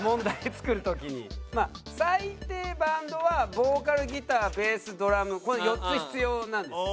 まあ最低バンドはボーカルギターベースドラムこの４つ必要なんです。